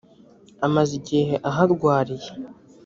amaze igihe aharwariye